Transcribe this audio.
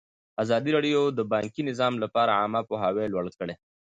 ازادي راډیو د بانکي نظام لپاره عامه پوهاوي لوړ کړی.